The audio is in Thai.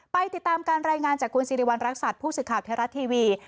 ไปติดตามการรายงานจากคุณสิริวัณรักษัตริย์ผู้สื่อข่าวไทยรัฐทีวี